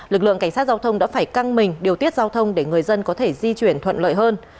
lực lượng cảnh sát giao thông đã phải căng mình điều tiết giao thông để người dân có thể di chuyển thuận lợi hơn